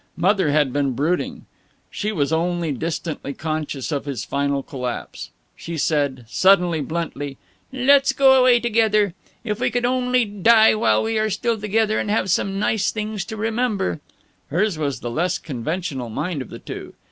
Mother had been brooding. She was only distantly conscious of his final collapse. She said, suddenly, bluntly: "Let's go away together. If we could only die while we are still together and have some nice things to remember " Hers was the less conventional mind of the two.